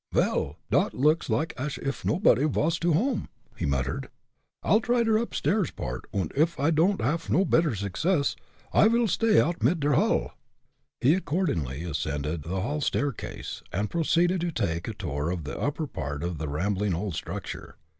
"Vel, dot looks like ash uff nopody vas to home," he muttered. "I'll try der upstairs part, und if I don'd haff no better success, I vil stay out mit der hall." He accordingly ascended the hall staircase, and proceeded to take a tour of the upper part of the rambling old structure.